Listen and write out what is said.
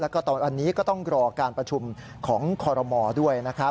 แล้วตอนนี้ก็ต้องรอการประชุมของคอลโลมอร์ด้วย